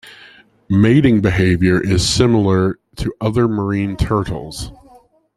Mating behaviour is similar to other marine turtles.